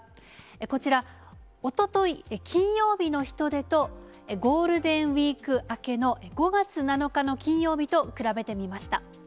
こちら、おととい金曜日の人出と、ゴールデンウィーク明けの５月７日の金曜日と比べてみました。